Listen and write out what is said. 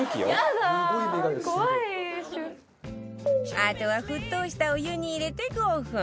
あとは沸騰したお湯に入れて５分